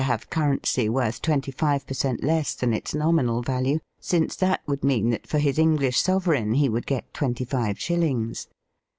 5 have currency worth twenty five per cent, less than its nominal value, since that would mean that for his Enghsh sovereign he would get twenty five shilUngs.